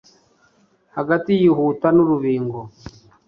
Hagati yihuta nurubingo